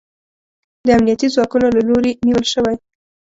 د امنیتي ځواکونو له لوري نیول شوی